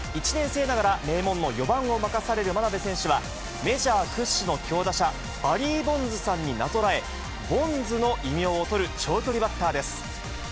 １年生ながら名門の４番を任される真鍋選手は、メジャー屈指の強打者、バリー・ボンズさんになぞらえ、ボンズの異名を取る長距離バッターです。